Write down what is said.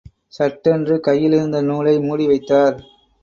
சட்டென்று, கையிலிருந்த நூலை மூடி வைத்தார்.